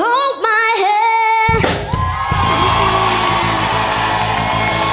มาร้องเพลงเรียกนำย้อยให้แล้ว